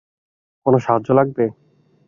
কোনো সাহায্য লাগবে?